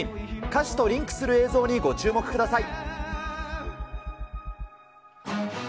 歌詞とリンクする映像にご注目ください。